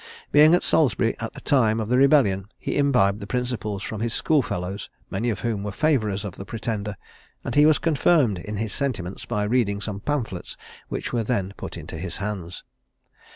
Being at Salisbury at the time of the rebellion, he imbibed the principles of his school fellows, many of whom were favourers of the Pretender; and he was confirmed in his sentiments by reading some pamphlets which were then put into his hands.